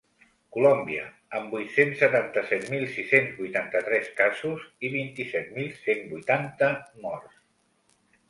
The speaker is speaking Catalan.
Colòmbia, amb vuit-cents setanta-set mil sis-cents vuitanta-tres casos i vint-i-set mil cent vuitanta morts.